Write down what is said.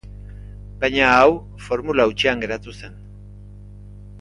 Baina hau, formula hutsean geratu zen.